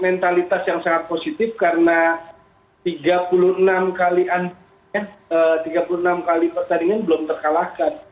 mentalitas yang sangat positif karena tiga puluh enam kali pertandingan belum terkalahkan